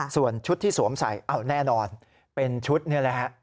ส่วนชุดที่สวมใส่แน่นอนเป็นชุดนี่แหละฮะ